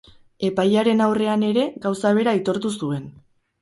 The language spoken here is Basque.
Epailearen aurrean ere gauza bera aitortu zuen.